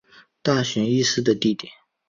大熊裕司的弟弟。